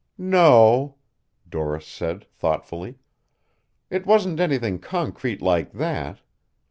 "No," Doris said thoughtfully. "It wasn't anything concrete like that.